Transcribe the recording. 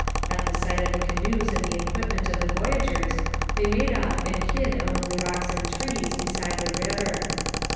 At the sight of the canoes and the equipment of the voyageurs they made off and hid among the rocks and trees beside the river.